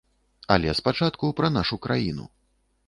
Але спачатку пра нашу краіну.